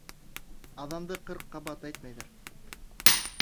Аҙанды ҡырҡ ҡабат әйтмәйҙәр.